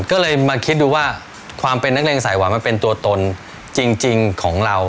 ก็เลยมาคิดดูว่าความเป็นนักเลงสายหวานมันเป็นตัวตนจริงของเรา